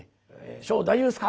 「師匠大丈夫ですか？」